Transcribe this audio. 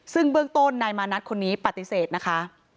ซึ่งเบื้องต้นนายมานัดคนนี้ปฏิเสธนะคะ